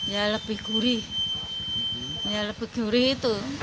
ya lebih gurih ya lebih gurih itu